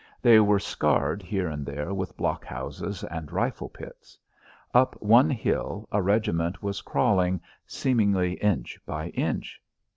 They were scarred here and there with blockhouses and rifle pits. Up one hill a regiment was crawling, seemingly inch by inch.